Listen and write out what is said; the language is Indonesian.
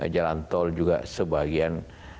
jalan tol juga sebagian